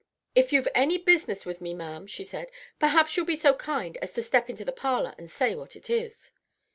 "If you've any business with me, ma'am," she said, "perhaps you'll be so kind as to step into the parlor and say what it is."